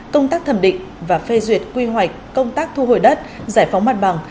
công tác thẩm định và phê duyệt quy hoạch công tác thu hồi đất giải phóng mặt bằng